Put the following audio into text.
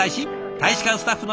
大使館スタッフの皆さん